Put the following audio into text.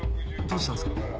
どうしたんですか？